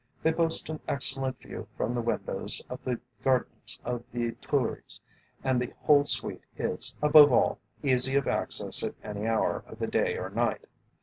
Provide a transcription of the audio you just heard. They boast an excellent view from the windows, of the gardens of the Tuileries, and the whole suite is, above all, easy of access at any hour of the day or night.